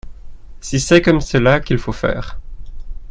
Si c’est comme cela qu’il faut faire